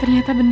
oh gak tau deh